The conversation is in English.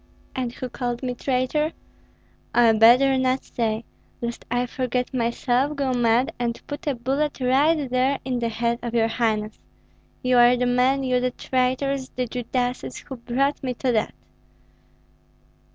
And who called me traitor? Oi, better not say, lest I forget myself, go mad, and put a bullet right here in the head of your highness. You are the men, you the traitors, the Judases, who brought me to that."